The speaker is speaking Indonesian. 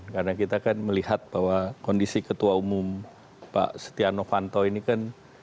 karena kita kan melihat bahwa kondisi ketua umum pak setiano fanto ini kan